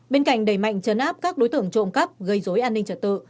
bên cạnh đẩy mạnh chấn áp các đối tượng trộm cắp gây dối an ninh trật tự